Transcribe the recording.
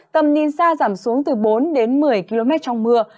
tầm nhìn xa giảm xuống từ bốn đến một mươi km trong mưa